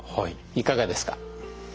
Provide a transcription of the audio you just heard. いかがですか？